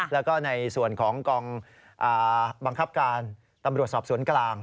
แล้วก็ในส่วนของกองบังคับการตำรวจสอบสวนกลาง